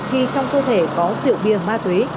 khi trong cơ thể có tiệu bia ma túy